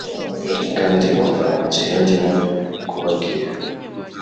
kandi umva mugihe ndimo kubabwira '